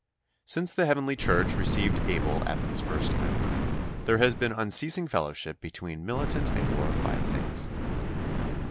Since the heavenly Church received Abel as its first member, there has been unceasing fellowship between militant and glorified saints.